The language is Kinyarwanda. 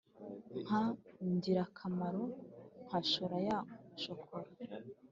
nka ngirakamaro nka shokora ya shokora (cyangwa icyayi)